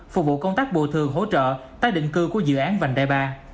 phục vụ công tác bộ thường hỗ trợ tái định cư của dự án vành đai ba